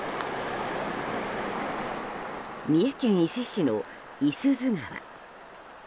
三重県伊勢市の五十鈴川。